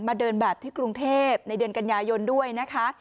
เดินแบบที่กรุงเทพในเดือนกันยายนด้วยนะคะ